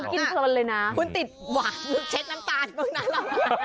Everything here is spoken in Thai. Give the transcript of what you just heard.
คุณติดหวานอ่ะคุณติดหวานมึงเช็คน้ำตาลเมื่อกนั้นอ่ะ